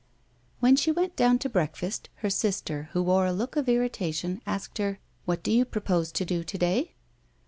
When she went down to breakfast, her sister, who wore a look of irritation, asked her: "What do you propose to do to day?"